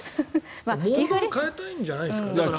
モードを変えたいんじゃないですか？